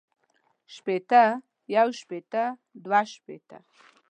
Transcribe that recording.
شپېتۀ يو شپېته دوه شپېته